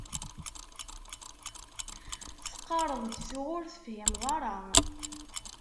Teqqareḍ-d tuɣ ur tefhimeḍ ara.